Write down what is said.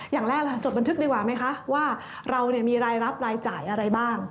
อย่างแรกจดบันทึกดีกว่าไหมคะว่าเรามีรายรับรายจ่ายอะไรบ้าง